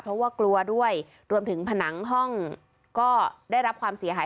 เพราะว่ากลัวด้วยรวมถึงผนังห้องก็ได้รับความเสียหาย